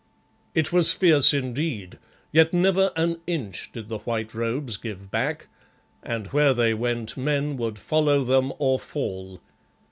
It was fierce indeed, yet never an inch did the white robes give back, and where they went men would follow them or fall.